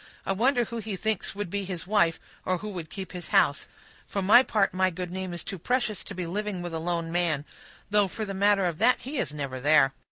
I wonder who he thinks would be his wife, or who would keep his house, For my part, my good name is too precious to be living with a lone man; though, for the matter of that, he is never there.